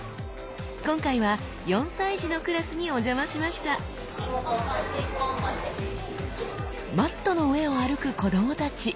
今回は４歳児のクラスにお邪魔しましたマットの上を歩く子どもたち。